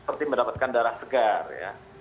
seperti mendapatkan darah segar ya